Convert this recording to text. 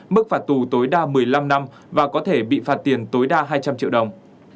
mức phạt tù tối đa một mươi năm năm và có thể bị phạt tiền tối đa hai trăm linh triệu đồng